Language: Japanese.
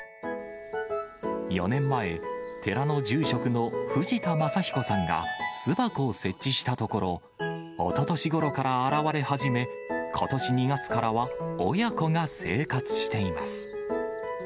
４年前、寺の住職の藤田雅彦さんが巣箱を設置したところ、おととしごろから現れ始め、ことし２月からは親子が生活しています。